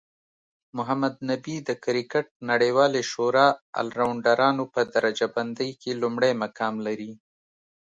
محمد نبي د کرکټ نړیوالی شورا الرونډرانو په درجه بندۍ کې لومړی مقام لري